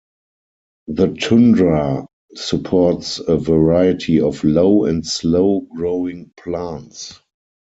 The tundra supports a variety of low and slow-growing plants.